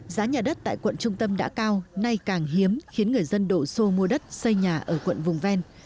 giá nhà đất tại quận trung tâm đã cao nay càng hiếm khiến người dân đổ xô mua đất xây nhà ở quận vùng ven